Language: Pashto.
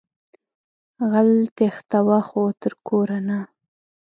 غل تېښتوه خو تر کوره نه